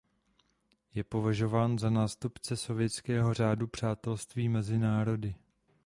Je považován za nástupce sovětského Řádu přátelství mezi národy.